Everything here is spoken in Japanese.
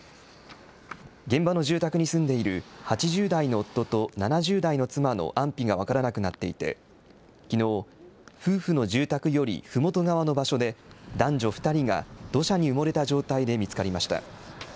現場の住宅に住んでいる８０代の夫と７０代の妻の安否が分からなくなっていて、きのう、夫婦の住宅よりふもと側の場所で、男女２人が土砂に埋もれた状態で見つかりました。